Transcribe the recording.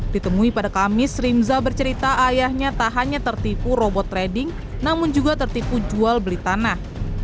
ditemui pada kamis rimza bercerita ayahnya tak hanya tertipu robot trading namun juga tertipu jual beli tanah